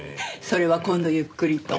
それは今度ゆっくりと。